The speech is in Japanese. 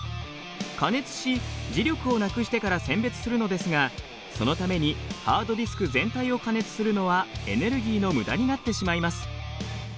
加熱し磁力をなくしてから選別するのですがそのためにハードディスク全体を加熱するのはエネルギーの無駄になってしまいます。